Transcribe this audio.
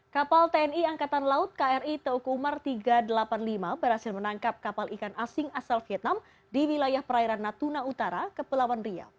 kapal tni angkatan laut kri teokumar tiga ratus delapan puluh lima berhasil menangkap kapal ikan asing asal vietnam di wilayah perairan natuna utara kepulauan riau